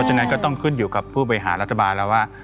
ฉะนั้นก็ต้องขึ้นอยู่กับผู้บริหารรัฐบาลแล้วว่า